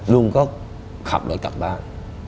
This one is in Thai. ลุงก็ขับรถกลับบ้าน